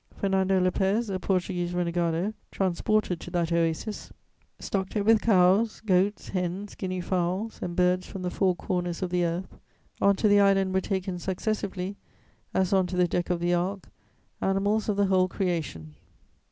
Fernando Lopez, a Portuguese renegado, transported to that oasis, stocked it with cows, goats, hens, guinea fowls and birds from the four corners of the earth. On to the island were taken successively, as on to the deck of the Ark, animals of the whole creation.